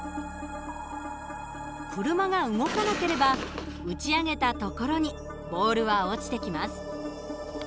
車が動かなければ打ち上げた所にボールは落ちてきます。